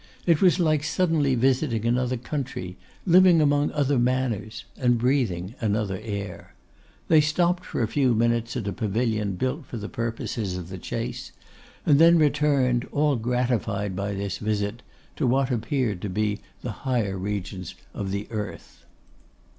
It was like suddenly visiting another country, living among other manners, and breathing another air. They stopped for a few minutes at a pavilion built for the purposes of the chase, and then returned, all gratified by this visit to what appeared to be the higher regions of the earth.